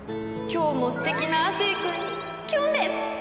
今日もすてきな亜生君にキュンです。